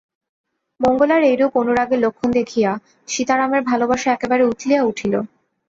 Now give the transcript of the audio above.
মঙ্গলার এইরূপ অনুরাগের লক্ষণ দেখিয়া সীতারামের ভালোবাসা একেবারে উথলিয়া উঠিল।